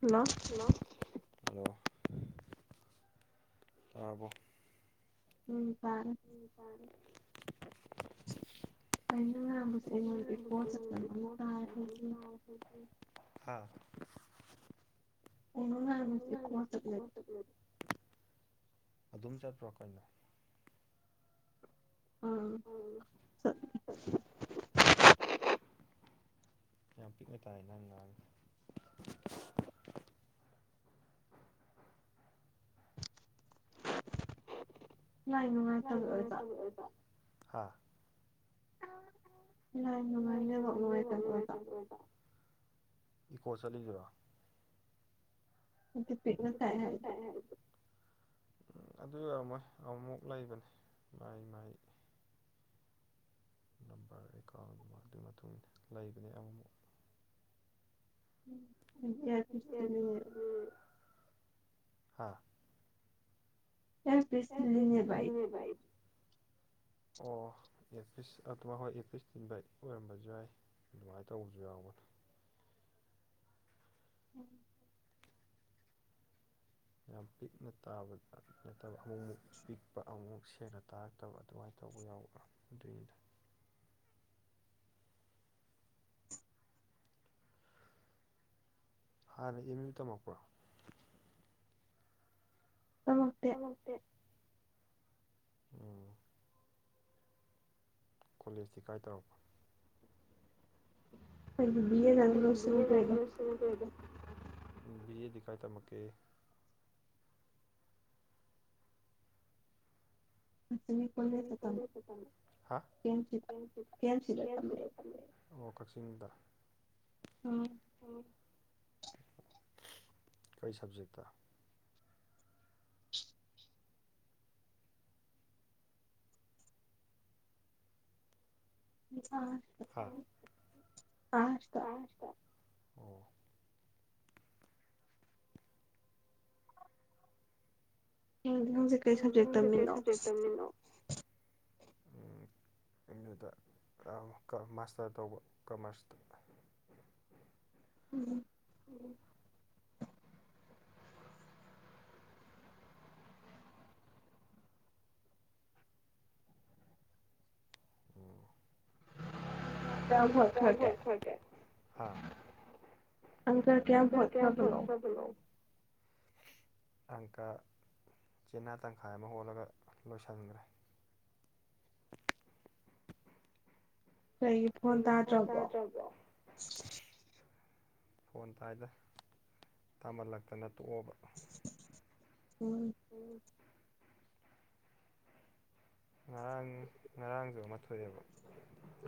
hello hello hello ꯇꯥꯔꯕꯣ ꯎꯝ ꯐꯔꯦ ꯏꯄꯥꯟ ꯀꯅꯁ ꯀꯣ ꯍꯥꯥ ꯑꯗꯨꯝ ꯆꯠꯄ꯭ꯔꯣ ꯀꯩꯅꯣ ꯑꯥ ꯌꯥꯝ ꯄꯤꯛꯅ ꯇꯥꯏꯦ ꯅꯪ ꯅꯍꯥꯡ [unintelligible] ꯏꯀꯣ ꯆꯠꯁꯤꯔꯣ ꯑꯗꯨ ꯄꯤꯔ ꯇꯔ ꯍꯥꯏ ꯑꯗꯨ ꯑꯣꯏꯔꯝꯃꯣꯏ ꯑꯃꯨꯃꯨꯛ ꯂꯩꯕꯅꯦ ꯃꯥꯏ ꯃꯥꯏ ꯅꯝꯕꯔ ꯑꯦꯀꯥꯎꯟꯗꯨ ꯑꯗꯨꯒꯤ ꯃꯇꯨꯡ ꯂꯩꯕꯅꯦ ꯑꯃꯃꯨꯛ ꯎꯝ [unintelligible] [unintelligible] ꯑꯣ ꯑꯦꯄꯤꯁ ꯑꯗꯨ ꯑꯩꯈꯣꯏ ꯑꯦꯄꯤꯁ ꯇꯤꯟꯕꯩ ꯑꯣꯏꯔꯝꯕꯁꯨ ꯌꯥꯏ ꯑꯗꯨꯃꯥꯏꯅ ꯇꯧꯕꯁꯨ ꯌꯥꯎꯕꯅꯦ [inaudible] ꯌꯥꯝ ꯄꯤꯛꯅ ꯇꯥꯕꯗ ꯅꯠꯇꯕ ꯑꯃꯨꯛꯃꯨꯛ ꯄꯤꯛꯄ ꯑꯃꯨꯛꯃꯨꯛ ꯁꯦꯡꯅ ꯇꯥꯔꯛꯇꯕ ꯑꯗꯨꯃꯥꯏꯅ ꯇꯧꯕ ꯌꯥꯎꯕꯗꯣ ꯑꯗꯨꯏꯅꯤꯗ ꯍꯥꯟꯅ ꯏꯦꯝ ꯌ ꯇꯝꯃꯛꯄ꯭ꯔꯣ ꯊꯃꯦ ꯁꯁꯦ ꯎꯝ ꯀꯣꯂꯦꯖꯇꯤ ꯀꯥꯏ ꯇꯧꯔꯛꯄ ꯍꯥꯏꯕꯤꯖ ꯑꯗꯨꯅ ꯂꯣꯁꯤꯡꯔꯦꯒ ꯎ ꯕꯤ ꯑꯦꯦꯗꯤ ꯀꯥꯏ ꯇꯃꯛꯛꯀꯦ [unintelligible] ꯑꯣ ꯀꯛꯆꯤꯡꯗ ꯎꯝ ꯀꯩ ꯁꯕꯖꯦꯛꯇ ꯑ ꯍꯥ ꯑ ꯑꯣ ꯍꯧꯖꯤꯛ ꯍꯧꯖꯤꯛ ꯀꯔꯤ ꯁꯞꯖꯦꯛ ꯇꯝꯃꯤꯅꯣ ꯎꯝ ꯑꯦꯝ ꯌꯨꯗ ꯃꯥꯁꯇꯔ ꯇꯧꯕ ꯀꯃꯥꯁꯇꯔ ꯎꯝ [unintelligible] ꯑꯪꯀꯥ ꯀꯌꯥꯝ ꯍꯣꯠꯂꯕꯅꯣ ꯑꯪꯀ ꯆꯦꯅꯥ ꯇꯪꯈꯥꯏ ꯑꯃ ꯍꯣꯠꯂꯒ ꯂꯣꯏꯁꯤꯟꯈ꯭ꯔꯦ [unintelligible] ꯀꯩꯒꯤ ꯐꯣꯟ ꯇꯥꯗꯔ꯭ꯕꯣ ꯐꯣꯟ ꯀꯥꯏꯗ ꯇꯥꯃꯟꯂꯛꯇꯅ ꯇꯣꯛꯑꯣꯕ [unintelligible] ꯎꯝ ꯉꯔꯥꯡ ꯉꯔꯥꯡꯁꯨ ꯑꯃ ꯊꯣꯛꯑꯦꯕ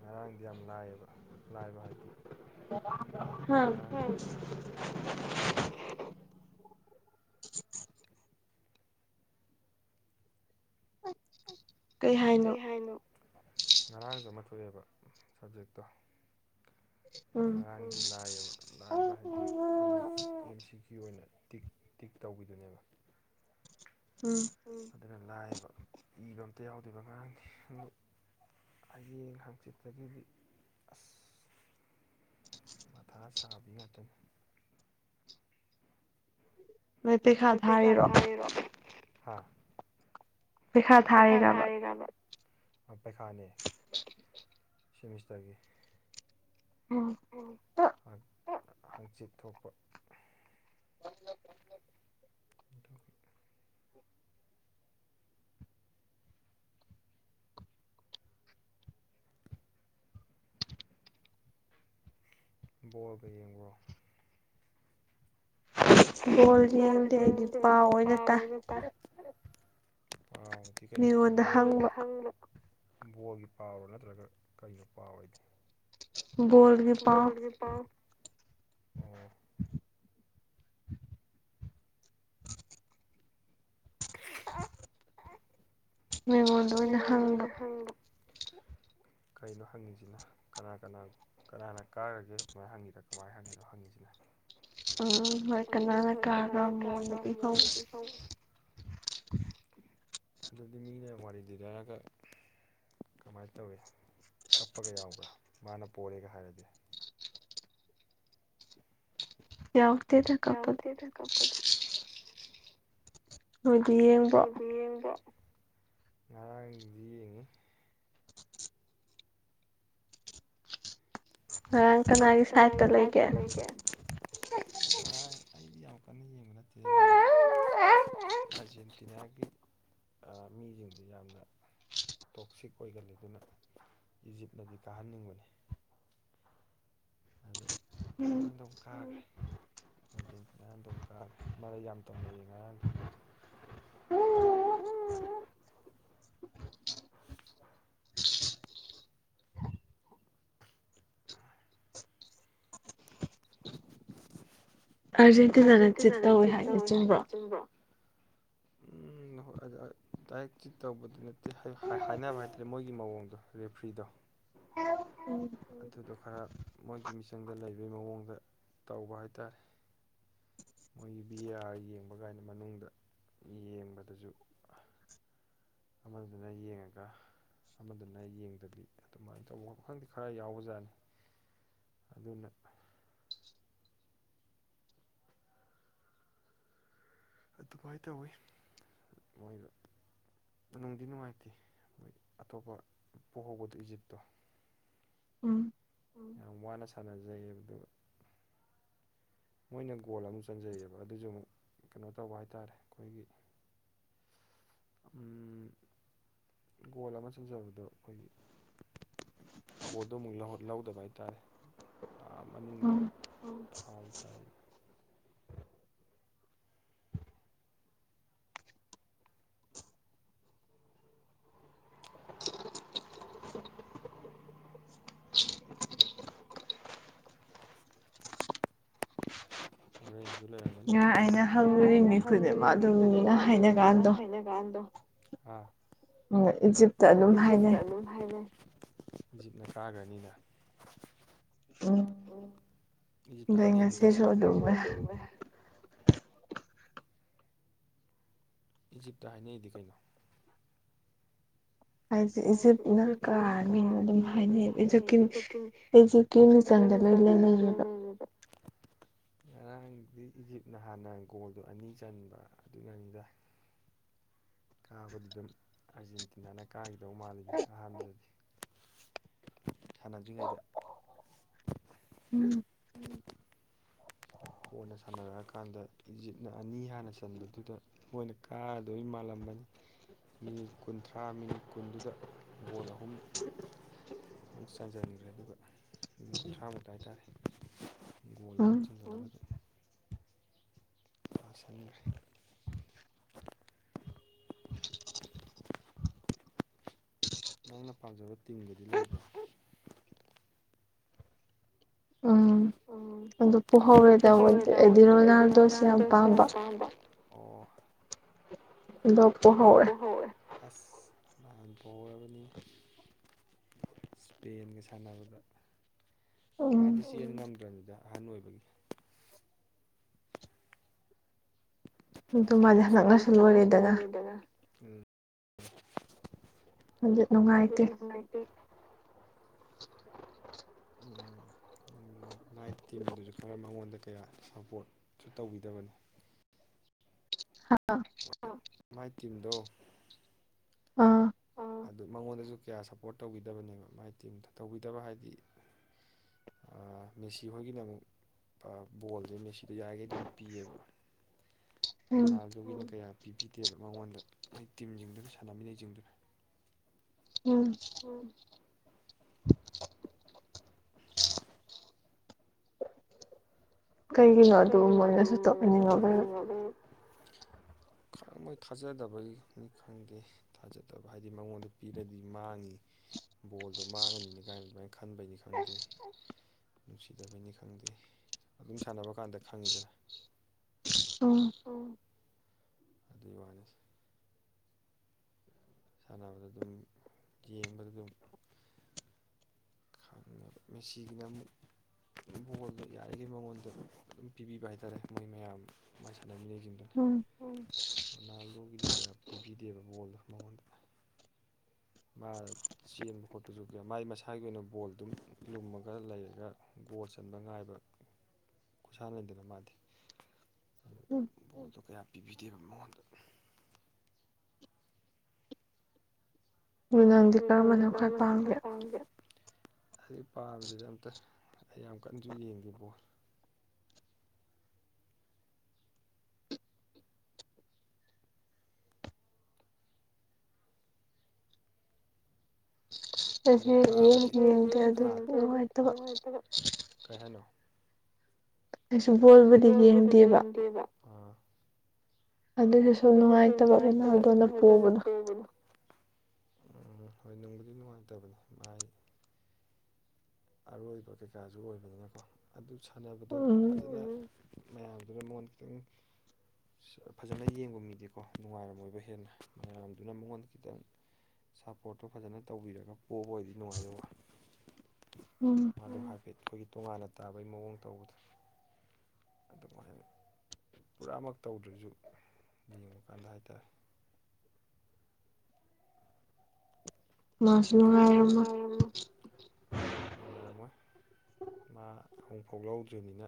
ꯉꯔꯥꯡꯗꯤ ꯌꯥꯝ ꯂꯥꯏꯌꯦꯕ ꯂꯥꯏꯕ ꯍꯥꯏꯗꯤ ꯉꯔꯥꯡ ꯀꯩ ꯍꯥꯏꯅꯣ ꯅꯣ ꯉꯔꯥꯡꯁꯨ ꯑꯃ ꯊꯣꯛꯑꯦꯕ ꯁꯕꯖꯦꯛꯇꯣ ꯉꯔꯥꯡ ꯗꯤ ꯂꯥꯏꯌꯦꯕ ꯂꯥꯏꯕ ꯍꯥꯏꯗꯤ ꯑꯩꯈꯣꯏ ꯑꯦꯝꯁꯤꯈꯨ ꯑꯣꯏꯅ ꯇꯤꯛ ꯇꯤꯛ ꯇꯧꯕꯤꯗꯨꯅꯦꯕ ꯎꯝ ꯑꯗꯨꯅ ꯂꯥꯏꯌꯦꯕ ꯏꯕ ꯑꯝꯇ ꯌꯥꯎꯗꯦꯕ ꯉꯔꯥꯡꯗꯤ ꯍꯌꯦꯡ ꯍꯪꯆꯤꯠꯇꯒꯤꯗꯤ ꯑꯁ ꯃꯊꯥ ꯁꯥꯕꯤ ꯉꯥꯛꯇꯥꯅꯦ [unintelligible] ꯍꯥ ꯄꯩꯁꯥ ꯊꯔꯤꯔꯥꯅꯦ ꯑꯥ ꯄꯩꯈꯥꯅꯦ ꯁꯦꯃꯤꯁꯇꯔꯒꯤ ꯎꯝ ꯍꯥꯡꯆꯤꯠ ꯊꯣꯛꯄ [unintelligible] ꯕꯣꯜꯒ ꯌꯦꯡꯕ꯭ꯔꯣ ꯣꯗ ꯄꯥꯑꯣꯠꯇ ꯉꯣꯟꯗ ꯍꯪꯕ ꯕꯣꯜꯒꯤ ꯄꯥꯎꯔ ꯅꯠꯇ꯭ꯔꯒ ꯀꯔꯤꯅꯣ ꯄꯥꯎꯔ ꯍꯥꯏꯗꯤ ꯑ ꯑ ꯃꯉꯣꯟꯗ ꯑꯣꯏꯅ ꯍꯪꯕ [inaudible] ꯀꯩꯅꯣ ꯍꯪꯉꯤꯁꯤꯅ ꯀꯅꯥ ꯀꯅꯥ ꯀꯅꯥꯅ ꯀꯥꯔꯒꯦ ꯑꯗꯨꯃꯥꯏꯅ ꯍꯪꯉꯤꯗꯨ ꯀꯃꯥꯏꯅ ꯍꯪꯉꯤꯅꯣ ꯍꯪꯉꯤꯁꯤꯅ ꯑꯣ ꯎꯝ ꯍꯣꯏ ꯀꯅꯥꯅ ꯀꯥꯕꯔꯥ ꯃꯣꯟꯗꯗꯤ ꯐꯪ ꯑꯗꯨꯗꯤ ꯃꯤꯅ ꯋꯥꯔꯤ ꯂꯤꯔꯛꯑꯒꯥ ꯀꯃꯥꯏꯅ ꯇꯧꯔꯤ ꯀꯞꯄꯒ ꯌꯥꯎꯕꯔꯣ ꯃꯥꯅ ꯄꯣꯔꯦꯒ ꯍꯥꯏꯔꯗꯤ ꯌꯥꯎꯗꯦꯗꯥ ꯀꯞꯄꯗꯤ ꯑꯗꯨꯗꯤ ꯌꯦꯡꯗꯣ ꯉꯔꯥꯡꯁꯤ ꯌꯦꯡꯉꯤ ꯍꯒꯤ ꯁꯥꯏꯠꯇ ꯂꯩꯒꯦ ꯑꯩꯗꯤ ꯌꯥꯝ ꯀꯟꯅ ꯌꯦꯡꯕ ꯅꯠꯇꯦ ꯑꯗꯨꯁꯨ ꯑꯥꯔꯖꯦꯟꯇꯤꯅꯥꯒꯤ ꯃꯤꯁꯤꯡꯗꯤ ꯌꯥꯝꯅ ꯇꯣꯛꯁꯤꯛ ꯑꯣꯏꯒꯜꯂꯤꯗꯨꯅ ꯏꯖꯤꯞꯅꯗꯤ ꯀꯥꯍꯟꯅꯤꯡꯕꯅꯤ ꯑꯗꯨ ꯀꯩꯅꯣꯝ ꯑꯗꯨ ꯀꯥꯡꯉꯦ ꯑꯥꯔꯖꯦꯟꯇꯤꯅꯥ ꯑꯗꯨꯝ ꯀꯥꯈ꯭ꯔꯦ ꯃꯥꯦ ꯌꯥꯝ ꯇꯧꯅ ꯌꯦꯡꯉꯔꯥꯡꯁꯨ ꯃꯣꯏꯗꯣ ꯑꯥꯔꯖꯦꯟꯇꯤꯅꯥꯅ ꯆꯤꯠ ꯇꯧꯋꯦ ꯍꯥꯏꯅ ꯆꯨꯝꯕ꯭ꯔꯣ ꯆꯨꯝꯕ꯭ꯔꯣ [inaudible] ꯍꯣꯏ ꯗꯥꯏꯔꯦꯛ ꯆꯤ ꯇꯧꯕꯗꯨ ꯅꯠꯇꯦ ꯍꯥꯏꯅꯕ ꯍꯥꯏꯇꯥꯔꯦ ꯃꯣꯏꯒꯤ ꯃꯑꯣꯡꯗꯣ ꯔꯦꯐ꯭ꯔꯤꯗꯣ ꯎ ꯑꯗꯨꯗꯣ ꯈꯔ ꯃꯣꯏꯒꯤ ꯃꯤꯆꯪꯗ ꯂꯩꯕꯩ ꯃꯑꯣꯡꯗ ꯇꯧꯕ ꯍꯥꯏꯇꯥꯔꯦ ꯃꯣꯏꯒꯤ ꯕꯤ ꯑꯥꯔ ꯌꯦꯡꯕ ꯀꯥꯏꯅ ꯃꯅꯨꯡꯗ ꯌꯦꯡꯕꯗꯁꯨ ꯑꯃꯗꯨꯅ ꯌꯦꯡꯉꯒ ꯑꯃꯗꯨꯅ ꯑꯩ ꯌꯦꯡꯗꯕꯤ ꯑꯗꯨꯃꯥꯏꯅ ꯇꯧꯕ ꯋꯥꯈꯪꯗꯤ ꯈꯔ ꯌꯥꯎꯕꯖꯥꯠꯅꯤ ꯑꯗꯨꯅ ꯑꯗꯨꯃꯥꯏꯅ ꯇꯧꯋꯤ ꯃꯣꯏꯅ ꯅꯨꯡꯗꯤ ꯅꯨꯡꯉꯥꯏꯇꯦ ꯃꯣꯏ ꯑꯇꯣꯞꯄ ꯄꯨ ꯍꯧꯕꯗꯣ ꯏꯖꯤꯞꯇꯣ ꯌꯥꯝ ꯋꯥꯅ ꯁꯥꯟꯅꯖꯩꯕꯗ ꯃꯣꯏꯅ ꯒꯣꯜ ꯑꯃꯨꯛ ꯆꯟꯖꯩꯌꯦꯕ ꯑꯗꯨꯁꯨ ꯑꯃꯨꯛ ꯀꯩꯅꯣ ꯇꯧꯕ ꯍꯥꯏꯇꯥꯔꯦ ꯑꯩꯈꯣꯏꯒꯤ ꯒꯣꯜ ꯑꯃ ꯆꯟꯖꯕꯗꯣ ꯑꯩꯈꯣꯏꯒꯤ ꯒꯣꯗꯨ ꯑꯃꯨꯛ ꯂꯧꯗꯕ ꯍꯥꯏꯇꯥꯔꯦ ꯃꯅꯨꯡꯗ ꯐꯥꯎ ꯇꯥꯏ [inaudible] [inaudible] ꯑꯩꯅ ꯍꯧꯖꯔꯤꯉꯩ ꯈꯨꯗꯤꯃꯛ ꯑꯗꯨꯅ ꯍꯥꯏꯅ ꯣꯖꯤꯞ ꯇꯅꯤ ꯖꯤꯞꯅ ꯀꯥꯈ꯭ꯔꯅꯤꯅ ꯏꯖꯤꯞꯇ ꯍꯥꯏꯅ ꯏꯖꯤꯞꯇ ꯍꯥꯏꯅꯩꯗꯤ ꯀꯩꯅꯣ ꯍꯥꯏꯁꯦ ꯏꯖꯤꯞꯅ ꯀꯥꯅꯤꯅ ꯑꯗꯨꯝ ꯍꯥꯏꯅꯩ ꯏꯖꯤꯞꯀꯤ ꯀꯦ ꯃꯤꯆꯪꯗ ꯂꯣꯏ ꯂꯩꯅꯩꯌꯦꯕ ꯉꯔꯥꯡꯗꯤ ꯏꯖꯤꯞꯅ ꯍꯥꯟꯅ ꯒꯣꯜꯗꯨꯣ ꯑꯅꯤ ꯆꯟꯕ ꯑꯗꯨꯅꯅꯤꯗꯏ ꯀꯥꯕꯗꯨ ꯑꯗꯨꯝ ꯑꯥꯔꯖꯦꯟꯇꯤꯅꯥꯅ ꯀꯥꯈꯤꯗꯧ ꯃꯥꯜꯂꯤꯅꯤ ꯑꯍꯥꯟꯕꯗꯗꯤ ꯁꯥꯟꯅꯗ꯭ꯔꯤꯉꯩꯗ ꯎꯝ ꯎꯝ ꯀꯣꯟꯅ ꯁꯥꯟꯅꯔꯛꯑꯀꯥꯟꯗ ꯏꯖꯤꯞꯅ ꯑꯅꯤ ꯍꯥꯟꯅ ꯆꯟꯕꯗꯨꯗ ꯃꯣꯏꯅ ꯀꯥꯗꯣꯏ ꯃꯥꯜꯂꯝꯃꯥꯅꯤ ꯃꯤꯅꯤꯠ ꯀꯨꯟꯊ꯭ꯔꯥ ꯃꯤꯅꯤꯠ ꯀꯨꯟꯗꯨꯗ ꯕꯣꯜ ꯑꯍꯨꯝ ꯑꯃꯨꯛ ꯆꯥꯟꯖꯟꯕꯤꯈ꯭ꯔꯦ ꯑꯗꯨꯒ ꯅꯨꯃꯤꯠ ꯀꯨꯟꯊ꯭ꯔꯥꯃꯨꯛꯇ ꯍꯥꯏꯇꯥꯔꯦ ꯒꯣꯜ ꯑꯍꯨꯝ ꯆꯟꯖꯦ ꯑ ꯁꯟꯈ꯭ꯔꯦ ꯅꯪꯩꯅ ꯄꯥꯝꯖꯕ ꯇꯤꯝꯒꯗꯤ ꯂꯩꯕ꯭ꯔꯥ ꯎꯝ ꯑꯣ ꯑꯗꯨꯄ ꯍꯣꯏ ꯇ ꯅꯜꯗꯣꯁꯤ ꯍꯥꯏꯄꯗ ꯑꯣ ꯄꯔ ꯑ ꯄꯔ ꯏꯁꯄꯦꯟꯒ ꯁꯥꯟꯅꯕꯗ ꯃꯥꯗꯤ ꯆꯦꯟ ꯉꯝꯗ꯭ꯔꯅꯤꯗ ꯑꯍꯟ ꯑꯣꯏꯕꯒꯤ ꯃꯅꯪ ꯁꯨꯨꯔ ꯑꯣꯏꯗꯗꯒ ꯑꯗꯨꯗꯤ ꯊꯥꯏ [inaudible] ꯎꯝ ꯑꯗꯨ ꯂꯥꯏ ꯇꯤꯝꯗꯨꯁꯨ ꯈꯔ ꯃꯉꯣꯟꯗ ꯀꯌꯥ ꯁꯞꯄꯣꯔꯠꯁꯨ ꯇꯧꯕꯤꯗꯕꯅꯤ ꯍ ꯃꯥꯏ ꯇꯤꯝꯗꯣ ꯑꯥ ꯑꯗꯨ ꯃꯉꯣꯟꯗꯁꯨ ꯀꯌꯥ ꯁꯞꯄꯣꯔꯠ ꯇꯧꯕꯤꯗꯕꯅꯦꯕ ꯃꯥꯏ ꯇꯤꯝꯗ ꯇꯧꯕꯤꯗꯕ ꯍꯥꯏꯗꯤ ꯃꯦꯁꯤ ꯍꯣꯏꯒꯤꯅ ꯑꯃꯨꯛ ꯕꯣꯜꯁꯦ ꯃꯦꯁꯤ ꯑꯗꯨ ꯌꯥꯔꯤꯈꯩ ꯑꯗꯨꯝ ꯄꯤꯌꯦꯕꯣꯅꯥ ꯑꯗꯨꯒꯤꯅ ꯀꯌꯥ ꯄꯤꯕꯤꯗꯦꯕ ꯃꯉꯣꯟꯗ ꯃꯣꯏ ꯇꯤꯝꯁꯤꯡꯗꯨꯅ ꯁꯥꯟꯅꯃꯤꯅꯩꯁꯤꯡꯗꯨꯅ ꯎꯝ ꯎ [inaudible] [inaudible] [inaudible] ꯀꯩꯒꯤꯅꯣ ꯑꯗꯨ ꯃꯣꯏꯅꯁꯨ ꯇꯧꯍꯟꯅꯤꯡꯉꯕ ꯎꯝ ꯈꯪꯕꯣꯏ ꯊꯥꯖꯗꯕꯒꯤꯅꯤ ꯈꯪꯗꯦ ꯊꯥꯖꯗꯕ ꯍꯥꯏꯗꯤ ꯃꯉꯣꯟꯗ ꯄꯤꯔꯗꯤ ꯃꯥꯡꯅꯤ ꯕꯣꯜꯗꯣ ꯃꯥꯡꯉꯅꯤꯅ ꯀꯥꯏꯅ ꯑꯗꯨꯃꯥꯏꯅ ꯈꯟꯕꯩꯅꯤ ꯈꯪꯗꯦ ꯅꯨꯡꯁꯤꯗꯕꯤꯅꯤ ꯈꯪꯗꯦ ꯑꯗꯨꯝ ꯁꯥꯟꯅꯕ ꯀꯥꯟꯗ ꯈꯪꯉꯤꯗꯅ ꯑ ꯑꯣ ꯑꯗꯨꯏ ꯋꯥꯅꯦ ꯁꯥꯟꯅꯕꯗ ꯑꯗꯨꯝ ꯌꯦꯡꯕꯗ ꯑꯗꯨꯝ ꯈꯪꯅꯕ ꯃꯦꯁꯤꯒꯤꯅ ꯑꯃꯨꯛ ꯃꯒꯣꯜꯗꯣ ꯌꯥꯔꯤꯈꯩ ꯃꯉꯣꯟꯗ ꯑꯗꯨꯝ ꯄꯤꯕꯤꯕ ꯍꯥꯏꯇꯥꯔꯦ ꯃꯣꯏ ꯃꯌꯥꯝ ꯃꯥꯏ ꯁꯥꯟꯅꯃꯤꯅꯤꯒꯤ ꯅꯥ ꯂꯣꯒꯤꯗꯤ ꯀꯌꯥ ꯄꯨꯕꯤꯗꯦꯕ ꯕꯣꯜꯗꯣ ꯃꯉꯣꯟꯗꯅ [inaudible] ꯆꯦꯟꯕ ꯈꯣꯠꯄꯁꯨ ꯀ ꯃꯥꯏ ꯃꯁꯥꯒꯤ ꯑꯣꯏꯅ ꯕꯣꯜ ꯑꯗꯨꯝ ꯂꯨꯝꯃꯒ ꯂꯩꯔꯒ ꯒꯣꯜ ꯆꯟꯕ ꯉꯥꯏꯕ [inaudible] ꯈꯨꯠꯁꯥ ꯂꯩꯗꯅ ꯃꯥꯗꯦ ꯄꯕꯣꯠꯇꯣ ꯀꯌꯥ ꯄꯤꯕꯤꯗꯦꯕ ꯃꯉꯣꯟꯗ ꯎꯗꯤ ꯀ ꯑꯃꯅ ꯈꯔ ꯇꯥꯡꯒꯦ ꯑꯩ ꯄꯥꯝꯗꯗꯤ ꯑꯝꯇ ꯑꯩ ꯌꯥꯝ ꯀꯟꯅꯁꯨ ꯌꯦꯡꯈꯤꯕꯕꯣ ꯀ ꯑꯩꯁꯨ ꯣꯏꯕꯗꯤ ꯌꯦꯡꯗꯦꯕ ꯑꯗꯨꯗꯗꯤꯁꯨ ꯅꯨꯡꯉꯥꯏ ꯇꯔꯅ ꯍꯥꯏꯗꯅ ꯇꯕꯅ ꯎꯝ ꯍꯣꯏ ꯅꯨꯡꯕꯨꯗꯤ ꯅꯨꯡꯉꯥꯏꯇꯕꯅꯦ ꯚꯥꯏ ꯑꯔꯣꯏꯕ ꯀꯩꯀꯥꯁꯨ ꯑꯣꯏꯕꯅꯤꯅꯀꯣ ꯑꯗꯨ ꯁꯥꯟꯅꯕꯗꯣ ꯐꯖꯅ ꯃꯌꯥꯝꯗꯨꯅ ꯃꯉꯣꯟꯗ ꯈꯤꯇꯪ ꯐꯖꯅ ꯌꯦꯡꯕ ꯃꯤꯗꯤꯀꯣ ꯅꯨꯡꯉꯥꯏꯔꯝꯃꯣꯏꯕ ꯍꯦꯟꯅ ꯃꯌꯥꯝꯗꯨꯅ ꯃꯉꯣꯟꯗ ꯈꯤꯇꯪ ꯁꯞꯄꯣꯔꯠꯇꯣ ꯐꯖꯅ ꯇꯧꯕꯤꯔꯒ ꯄꯣꯕ ꯑꯣꯏꯗꯤ ꯅꯨꯡꯉꯥꯏꯗꯕ [unintelligible] ꯎꯝ ꯃꯥꯗꯣ ꯍꯥꯏꯐꯦꯠ ꯑꯩꯈꯣꯏꯒꯤ ꯇꯣꯉꯥꯟꯅ ꯇꯥꯕꯒꯤ ꯃꯑꯣꯡ ꯇꯧꯕꯗ ꯑꯗꯨꯃꯍꯅ ꯄꯨꯔꯥꯃꯛ ꯇꯧꯗ꯭ꯔꯁꯨ ꯌꯦꯡꯉꯀꯥꯟꯗ ꯍꯥꯏꯇꯥꯔꯦ ꯃꯁ ꯍꯥꯏꯣ ꯑꯃ ꯃꯥ ꯍꯣꯡꯐꯥꯎ ꯂꯥꯎꯗ꯭ꯔꯤꯕꯅꯤꯅ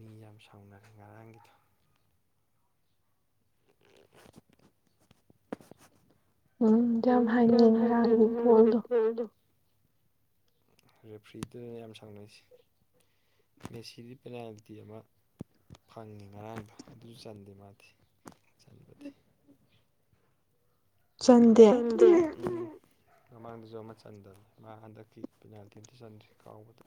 ꯃꯤ ꯌꯥꯝ ꯁꯥꯎꯅꯔꯦ ꯉꯔꯥꯡꯒꯤꯗꯣ [unintelligible] ꯎꯝꯗ ꯍꯥꯏ ꯔꯦꯐ꯭ꯔꯤꯖꯇꯗꯅ ꯌꯥꯝ ꯁꯥꯟꯅꯩꯁ ꯃꯦꯁꯤꯗꯤ ꯄꯦꯅꯥꯜꯇꯤ ꯑꯃ ꯐꯪꯉꯤ ꯉꯔꯥꯡꯗꯣ ꯑꯗꯨꯁꯨ ꯆꯟꯗꯦ ꯃꯥꯗꯤ ꯎꯝ ꯆꯟꯗꯦ ꯃꯃꯥꯡꯗꯁꯨ ꯑꯃ ꯆꯟꯗꯕꯅꯦ ꯃꯥ ꯍꯟꯗꯛꯀꯤ ꯄꯦꯅꯥꯜꯇꯤꯗ ꯆꯟꯗ꯭ꯔꯤ ꯀꯥꯎꯕꯗ